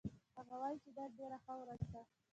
هغه وایي چې نن ډېره ښه ورځ ده